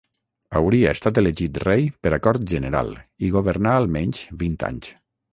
Hauria estat elegit rei per acord general i governà almenys vint anys.